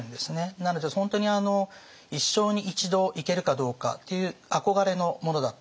なので本当に一生に一度行けるかどうかっていう憧れのものだった。